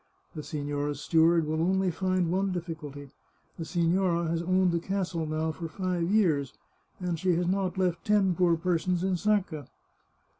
" The signora's steward will only find one difficulty. The signora has owned the castle now for five years, and she has not left ten poor persons in Sacca."